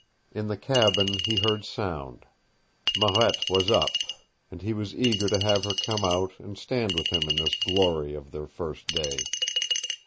In the cabin he heard sound. Marette was up, and he was eager to have her come out and stand with him in this glory of their first day.